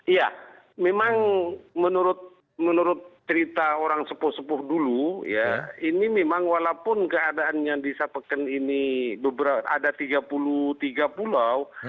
iya memang menurut cerita orang sepuh sepuh dulu ya ini memang walaupun keadaannya di sapeken ini ada tiga puluh tiga pulau